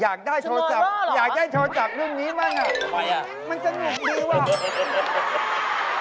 อยากได้โทรศัพท์อยากได้โทรศัพท์รุ่นนี้บ้างอ่ะมันสนุกดีว่ะ